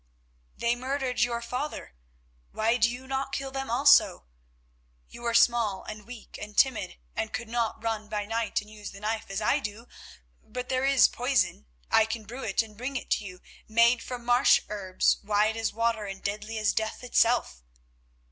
"They murdered your father, why do you not kill them also? You are small and weak and timid, and could not run by night and use the knife as I do, but there is poison. I can brew it and bring it to you, made from marsh herbs, white as water and deadly as Death itself.